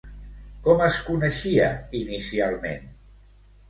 Com es coneixia inicialment?